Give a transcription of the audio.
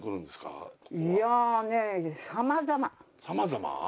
さまざま？